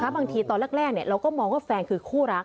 บางทีตอนแรกเราก็มองว่าแฟนคือคู่รัก